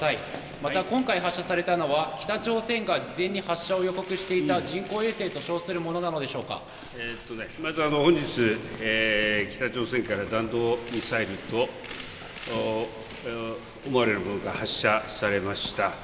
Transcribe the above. また、今回発射されたのは、北朝鮮が事前に発射を予告していた人工衛星と称するものなのでしまず、本日、北朝鮮から弾道ミサイルと思われるものが発射されました。